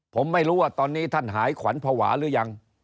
ผมไม่รู้ว่าตอนนี้ท่านหายขวัญภาวะหรือยัง